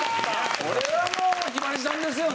これはもうひばりさんですよね。